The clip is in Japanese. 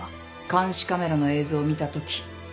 監視カメラの映像を見たとき。